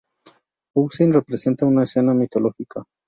Poussin representa una escena mitológica.